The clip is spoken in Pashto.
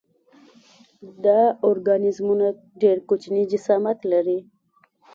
دا ارګانیزمونه ډېر کوچنی جسامت لري.